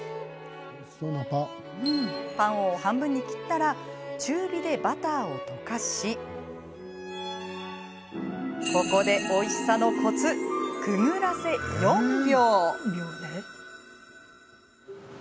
パンを切ったら中火でバターを溶かしここで、おいしさのコツくぐらせ４秒。